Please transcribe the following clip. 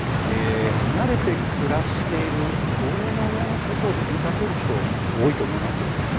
離れて暮らしている高齢の親のことを気にかける人、多いと思います。